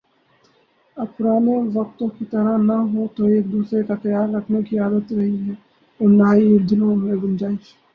اب پرانے وقتوں کی طرح نہ تو ایک دوسرے کا خیال رکھنے کی عادت رہی ہے اور نہ ہی دلوں میں گنجائش